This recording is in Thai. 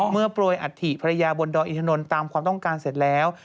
โปรยอัฐิภรรยาบนดอยอินทนนท์ตามความต้องการเสร็จแล้ว